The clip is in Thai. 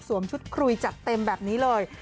ชุดคุยจัดเต็มแบบนี้เลย